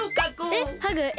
えっハグえ